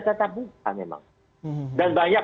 tetap buka memang dan banyak